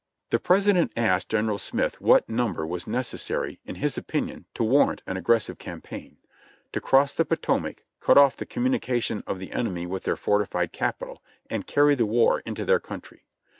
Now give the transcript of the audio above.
The President asked General Smith what number was neces sary, in his opinion, to warrant an aggressive campaign; to cross the Potomac, cut off the communication of the enemy with their fortified Capital, and carry the war into their country.